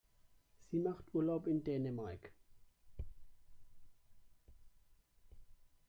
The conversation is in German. Sie macht Urlaub in Dänemark.